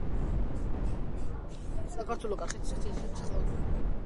ეკონომიკასთან დაკავშირებული არაერთი პუბლიკაციის, რამდენიმე მონოგრაფიის ავტორი.